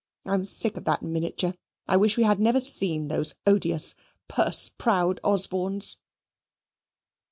I'm sick of that miniature. I wish we had never seen those odious purse proud Osbornes."